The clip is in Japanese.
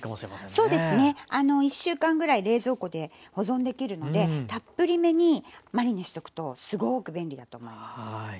そうですね１週間ぐらい冷蔵庫で保存できるのでたっぷりめにマリネしとくとすごく便利だと思います。